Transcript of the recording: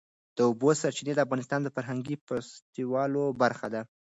د اوبو سرچینې د افغانستان د فرهنګي فستیوالونو برخه ده.